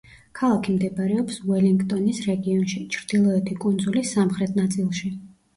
ქალაქი მდებარეობს უელინგტონის რეგიონში, ჩრდილოეთი კუნძულის სამხრეთ ნაწილში.